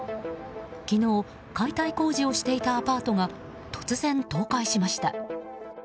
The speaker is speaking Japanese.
昨日、解体工事をしていたアパートが突然倒壊しました。